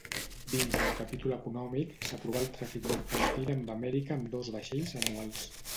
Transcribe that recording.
Dins del capítol econòmic, s'aprovà el tràfic mercantil amb Amèrica amb dos vaixells anuals.